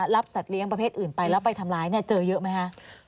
สัตว์เลี้ยงประเภทอื่นไปแล้วไปทำร้ายเจอเยอะไหมคะ